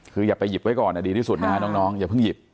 คืออย่าไปหยิบไว้ก่อนเนี่ยดีที่สุดนะครับ